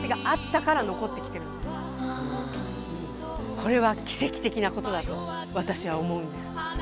これは奇跡的なことだとわたしは思うんです。